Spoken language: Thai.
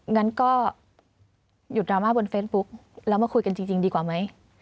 งั้นก็หยุดดราม่าบนเฟซบุ๊กแล้วมาคุยกันจริงดีกว่าไหม